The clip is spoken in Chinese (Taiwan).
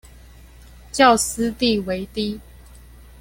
較私地為低